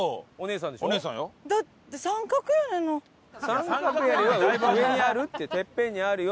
三角屋根は上にあるっててっぺんにあるよ。